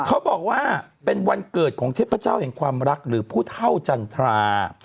เขาบอกว่าเป็นวันเกิดของเทพเจ้าแห่งความรักหรือผู้เท่าจันทรา